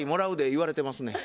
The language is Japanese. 言われてますねや。